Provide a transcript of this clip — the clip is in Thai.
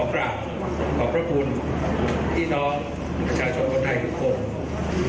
พี่น้องประชาชนคนไทยทุกคน